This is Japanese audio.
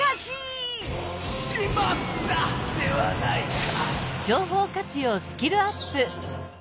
「しまった！」ではないか！